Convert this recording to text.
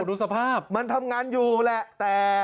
ดูสภาพมันทำงานอยู่แหละแต่